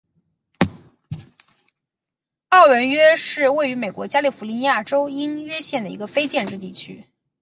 奥文约是位于美国加利福尼亚州因约县的一个非建制地区。